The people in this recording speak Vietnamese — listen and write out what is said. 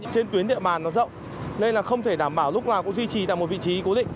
trên tuyến địa mà nó rộng nên là không thể đảm bảo lúc nào cũng duy trì được một vị trí cố định